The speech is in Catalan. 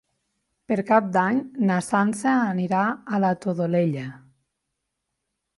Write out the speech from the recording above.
Per Cap d'Any na Sança anirà a la Todolella.